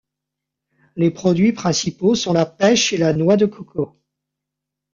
Les produits principaux sont la pêche et la noix de coco.